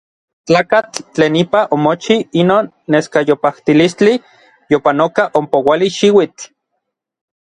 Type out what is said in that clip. Tlakatl tlen ipa omochij inon neskayopajtilistli yopanoka ompouali xiuitl.